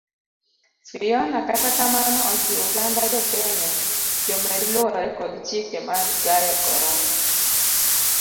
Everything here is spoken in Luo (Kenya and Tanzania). Fiona kata kamano ojiwo oganda jokenya jomed luwore kod chike mag gayo corona.